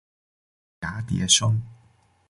芽叠生。